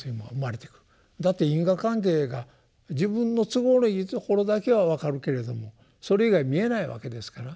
だって因果関係が自分の都合のいいところだけは分かるけれどもそれ以外見えないわけですから。